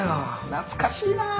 懐かしいな！